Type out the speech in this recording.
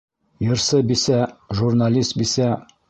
Йырсы бисә, журналист бисә!